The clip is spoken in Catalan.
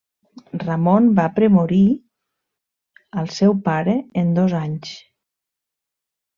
Ramon va premorir al seu pare en dos anys.